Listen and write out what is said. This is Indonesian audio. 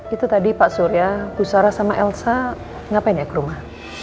itu tadi pak surya bu sarah sama elsa ngapain ya ke rumah